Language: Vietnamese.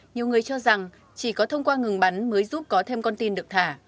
nhiều người cho rằng chỉ có thông qua ngừng bắn mới giúp có thêm con tin được thả